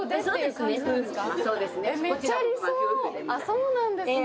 そうなんですね。